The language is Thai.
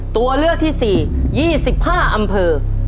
ตัวเลือกที่๔๒๕อำเภอ